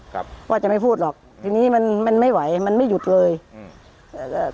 ครับว่าจะไม่พูดหรอกทีนี้มันมันไม่ไหวมันไม่หยุดเลยอืมอ่าก็